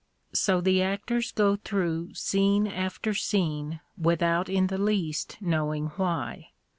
So the actors go through scene after scene without in the least knowing why.